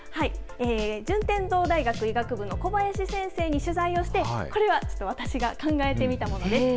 順天堂大学医学部教授の小林先生に取材をして、これは私が考えてみたものです。